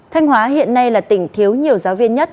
thanh hóa hiện nay là tỉnh thiếu nhiều giáo viên nhất